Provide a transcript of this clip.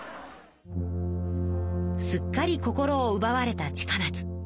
すっかり心をうばわれた近松。